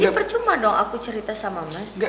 jadi percuma dong aku cerita sama mas